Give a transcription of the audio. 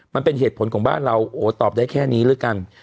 มันเป็นเหตุผลของบ้านเราโอ้ตอบได้แค่นี้แล้วกัน